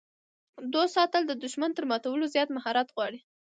د دوست ساتل د دښمن تر ماتولو زیات مهارت غواړي.